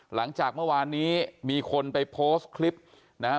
หลังจากเมื่อวานนี้มีคนไปโพสต์คลิปนะฮะ